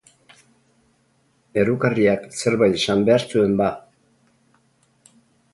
Errukarriak zerbait esan behar zuen, ba.